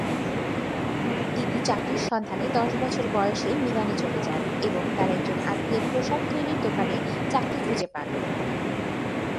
তিনি চাকরির সন্ধানে দশ বছর বয়সে মিলানে চলে যান এবং তার একজন আত্মীয়ের পোশাক তৈরির দোকানে চাকরি খুঁজে পান।